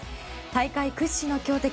大会屈指の強敵